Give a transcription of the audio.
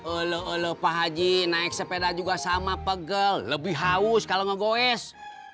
olo olo pak haji naik sepeda juga sama pegel lebih haus kalau ngegoes